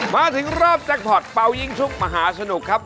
มาถึงรอบแจ็คพอร์ตเป่ายิ่งชุกมหาสนุกครับ